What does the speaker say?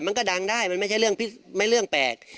มันก็ดังได้มันไม่ใช่เรื่องแปลก